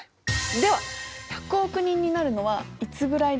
では１００億人になるのはいつぐらいでしょうか？